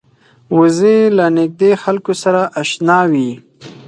وزې له نږدې خلکو سره اشنا وي